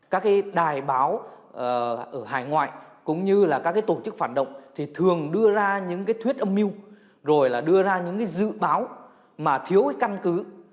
các đài báo ở hải ngoại cũng như các tổ chức phản động thường đưa ra những thuyết âm mưu đưa ra những dự báo mà thiếu căn cứ